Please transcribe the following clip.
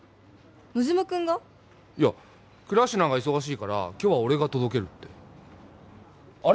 野島君が？いや倉科が忙しいから今日は俺が届けるってあれ？